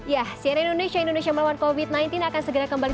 ya sian indonesia indonesia melawan covid sembilan belas akan segera kembali